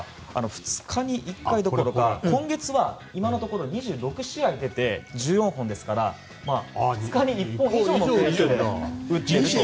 ２日に１回どころか今月は今のところ２６試合に出て１４本なので２日に１本以上打っていると。